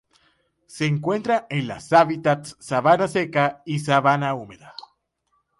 Se encuentra en las hábitats sabana seca y sabana húmeda.